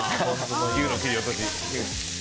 牛の切り落とし。